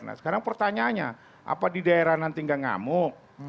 nah sekarang pertanyaannya apa di daerah nanti nggak ngamuk